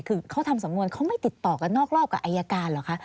คือเขาทำสำนวนเขาไม่ติดต่อกันนอกรอบกับอายการเหรอคะ